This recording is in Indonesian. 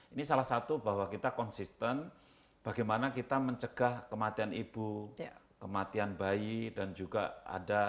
ini salah satu bahwa kita konsisten bagaimana kita mencegah kematian ibu kematian bayi dan juga ada